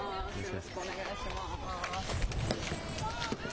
よろしくお願いします。